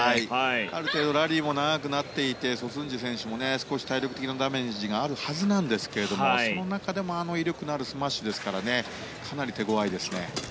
ある程度ラリーも長くなっていてソ・スンジェ選手も少し体力的なダメージがあるはずなんですけれどもその中でもあの威力のあるスマッシュですからかなり手ごわいですね。